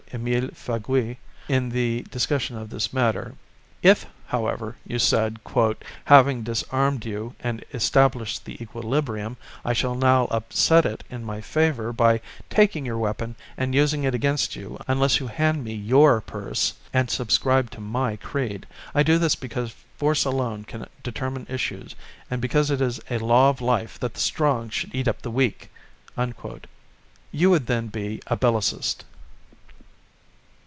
Emile Faguet in the discussion of this matter. If, however, you said: "Having disarmed you and established the equilibrium, I shall now upset it in my favour by taking your weapon and using it against you unless you hand me your purse and subscribe to my creed. I do this because force alone can determine issues, and because it is a law of life that the strong should eat up the weak." You would then be a Bellicist.